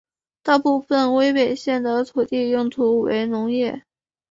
大部分威北县的土地用途为农业。